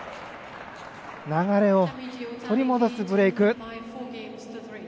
流れを取り戻すブレーク。